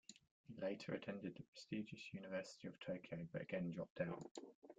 He later attended the prestigious University of Tokyo, but again dropped out.